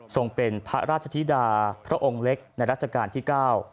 ส่งเป็นพระราชธิดาพระองค์เล็กในรัชกาลที่๙